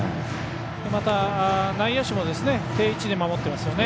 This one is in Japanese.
内野手も定位置で守ってますよね。